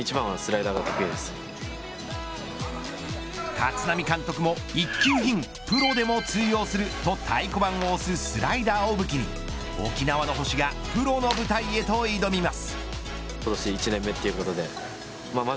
立浪監督も一級品、プロでも通用すると太鼓判を押すスライダーを武器に沖縄の星がプロの舞台へと挑みます。